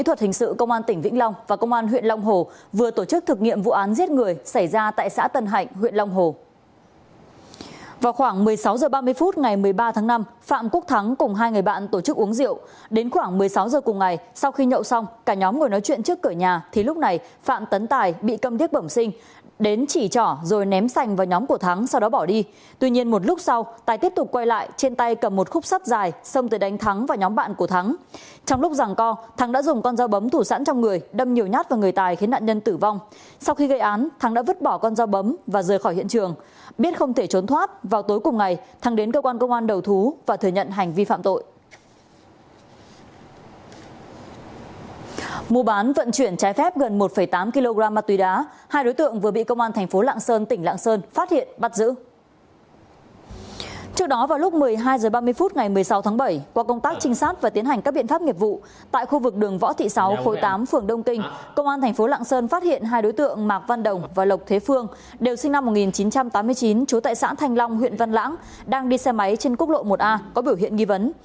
tại khu vực đường võ thị sáu khối tám phường đông kinh công an thành phố lạng sơn phát hiện hai đối tượng mạc văn đồng và lộc thế phương đều sinh năm một nghìn chín trăm tám mươi chín chú tại xã thành long huyện văn lãng đang đi xe máy trên quốc lộ một a có biểu hiện nghi vấn